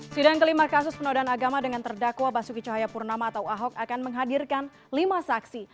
sidang kelima kasus penodaan agama dengan terdakwa basuki cahayapurnama atau ahok akan menghadirkan lima saksi